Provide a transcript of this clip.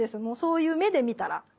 もうそういう目で見たら。